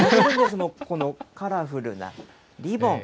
このカラフルなリボン。